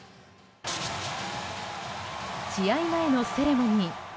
試合前のセレモニー。